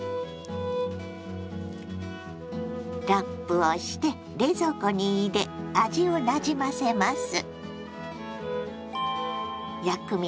ラップをして冷蔵庫に入れ味をなじませます。